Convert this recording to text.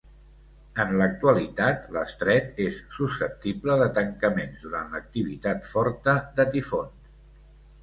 En l'actualitat l'estret és susceptible de tancaments durant l'activitat forta de tifons.